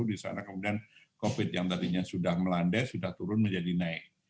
di sana kemudian covid yang tadinya sudah melandai sudah turun menjadi naik